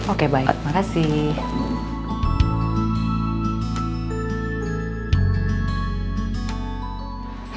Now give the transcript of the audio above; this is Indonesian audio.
oke baik makasih